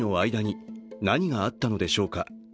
２人の間に何があったのでしょうか。